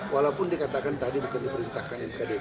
walaupun dikatakan tadi bukan diperintahkan oleh kdp